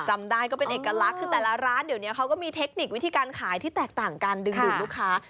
จำได้ก็เป็นเอกลักษณ์คือแต่ละร้านเดี๋ยวนี้เขาก็มีเทคนิควิธีการขายที่แตกต่างกันดึงดูดลูกค้า